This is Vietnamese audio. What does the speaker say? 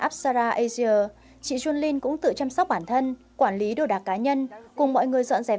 apsara asia chị junlin cũng tự chăm sóc bản thân quản lý đồ đạc cá nhân cùng mọi người dọn dẹp